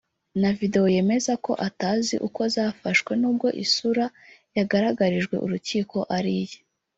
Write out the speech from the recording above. na video yemeza ko atazi uko zafashwe nubwo isura yagaragarijwe urukiko ari iye